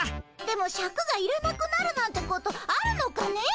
でもシャクがいらなくなるなんてことあるのかねぇ？